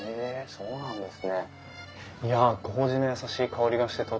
そうなんです。